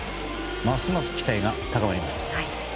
ますます期待が高まります。